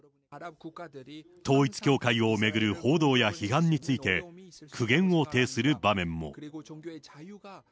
統一教会を巡る報道や批判について、苦言を呈する場面も。